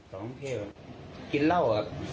สอนมันเทพฯกินเหล้า